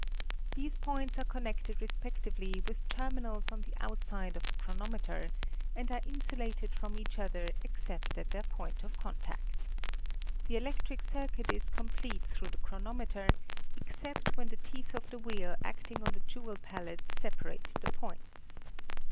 These points are connected respectively with terminals on the outside of the chronometer, and are insulated from each other except at their point of contact. The electric circuit is complete through the chronometer except when the teeth of the wheel acting on the jewel pallet separate the points.